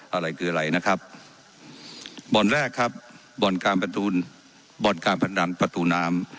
อะไรคืออะไรนะครับบ่อนแรกครับบ่อนการประตูบ่อนการพนันประตูน้ำ